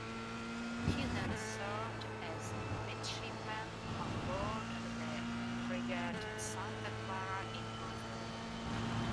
He then served as Midshipman on board the frigate "Santa Clara" in Brazil.